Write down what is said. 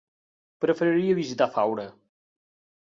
Preferiria visitar Faura.